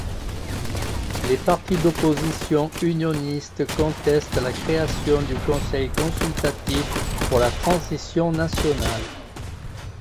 Les partis d'opposition unionistes contestent la création du conseil consultatif pour la transition nationale.